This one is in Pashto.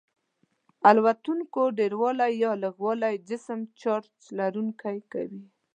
الکترونونو ډیروالی یا لږوالی جسم چارج لرونکی کوي.